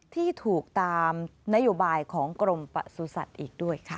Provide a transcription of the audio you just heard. ที่ถูกตามนโยบายของกรมประสุทธิ์อีกด้วยค่ะ